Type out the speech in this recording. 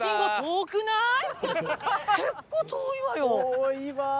結構遠いわよ。